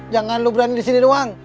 jangan lo berani disini doang